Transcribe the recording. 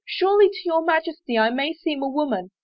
Surely to your Majesty I may seem a woman.